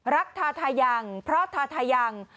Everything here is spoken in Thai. รักทาทายังพระทาทายัง